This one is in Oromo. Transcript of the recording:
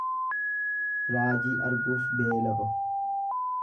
Raajii arguuf beela bahu.